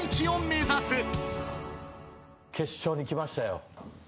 決勝にきましたよ。